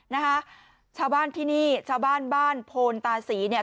นะคะชาวบ้านที่นี่ชาวบ้านบ้านโพนตาศรีเนี่ย